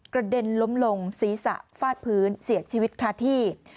เด็นล้มลงศีรษะฟาดพื้นเสียชีวิตคาที่